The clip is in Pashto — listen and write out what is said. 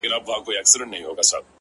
ژوند پکي اور دی!! آتشستان دی!!